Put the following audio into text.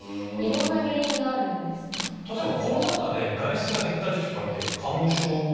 例えば。